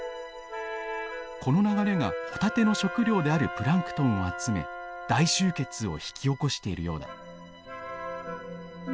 この流れがホタテの食料であるプランクトンを集め大集結を引き起こしているようだ。